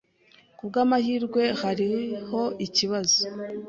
Kubwamahirwe, hariho ikibazo.